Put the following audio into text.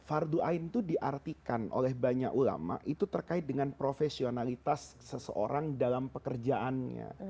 fardu ain itu diartikan oleh banyak ulama itu terkait dengan profesionalitas seseorang dalam pekerjaannya